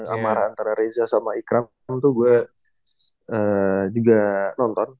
amaran antara rizal sama ikram itu gue juga nonton